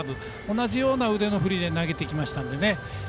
同じような腕の振りで投げてきましたので。